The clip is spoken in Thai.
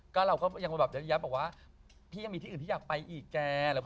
ก็เราก็ยังมาแบบเยอะแยะบอกว่าพี่ยังมีที่อื่นพี่อยากไปอีกแก